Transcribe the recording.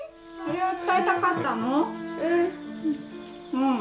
うん。